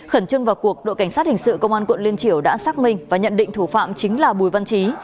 khẩn trương vào cuộc đội cảnh sát hình sự công an quận liên triểu đã xác minh và nhận định thủ phạm chính là bùi văn trí